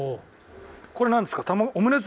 これなんですか？